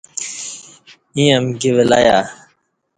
ییں امکی ولہیہ